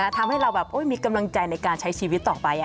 ทำให้เราแบบมีกำลังใจในการใช้ชีวิตต่อไป